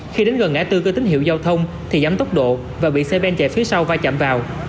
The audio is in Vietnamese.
khi đến gần ngã tư cơ tín hiệu giao thông thì giấm tốc độ và bị xe bên chạy phía sau va chạm vào